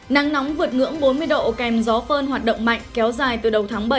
nắng nóng vượt ngưỡng bốn mươi độ kèm gió phơn hoạt động mạnh kéo dài từ đầu tháng bảy